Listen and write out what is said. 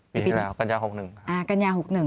ปีที่แล้วกัญญา๖๑